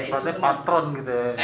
berarti patron gitu ya